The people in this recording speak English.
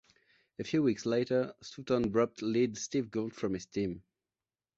A few weeks later, Stoughton dropped lead Steve Gould from his team.